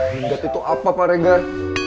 hendak itu apa pak regar